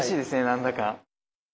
なんだか。